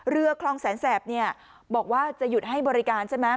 เรือคลองแสนแสบเนี่ยบอกว่าจะหยุดให้บริการใช่ไหม